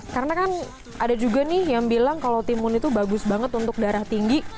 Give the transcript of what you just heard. karena kan ada juga nih yang bilang kalau timun itu bagus banget untuk darah tinggi